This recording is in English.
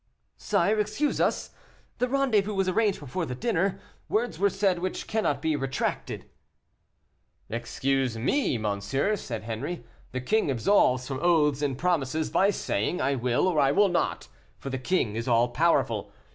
"Sire, excuse us, the rendezvous was arranged before the dinner, words were said which cannot be retracted." "Excuse me, monsieur," said Henri, "the king absolves from oaths and promises by saying, 'I will, or I will not,' for the king is all powerful.